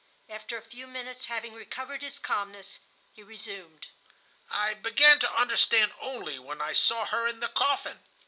After a few minutes, having recovered his calmness, he resumed: "I began to understand only when I saw her in the coffin."